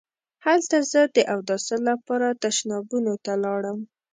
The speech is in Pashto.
هلته زه د اوداسه لپاره تشنابونو ته لاړم.